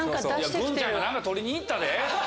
グンちゃんが何か取りに行ったで。